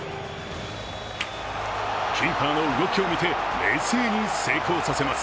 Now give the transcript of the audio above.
キーパーの動きを見て冷静に成功させます。